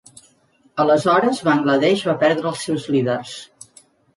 Aleshores, Bangladesh va perdre els seus líders.